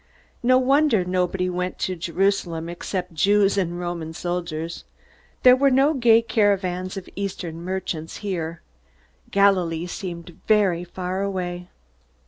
No wonder nobody went to Jerusalem, except Jews and Roman soldiers! There were no gay caravans of Eastern merchants here. Galilee seemed very far away.